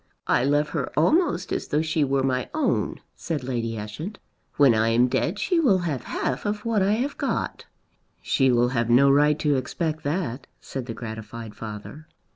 "I love her almost as though she were my own," said Lady Ushant. "When I am dead she will have half of what I have got." "She will have no right to expect that," said the gratified father.